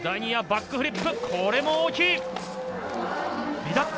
バックフリップこれも大きい！